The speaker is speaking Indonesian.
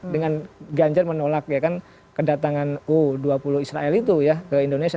dengan ganjar menolak ya kan kedatangan u dua puluh israel itu ya ke indonesia